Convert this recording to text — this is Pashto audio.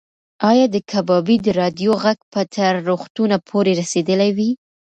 ایا د کبابي د راډیو غږ به تر روغتونه پورې رسېدلی وي؟